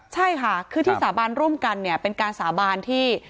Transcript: ใช่ค่ะคือที่สาบานร่วมกันเนี่ยเป็นการสาบานที่